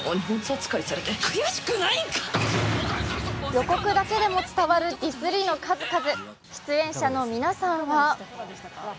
予告だけでも伝わるディスりの数々。